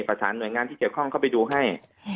ประสานหน่วยงานที่เกี่ยวข้องเข้าไปดูให้